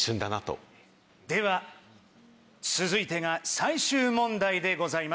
では続いてが最終問題でございます。